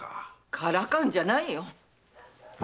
からかうんじゃないよ。